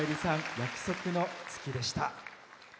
「約束の月」でした。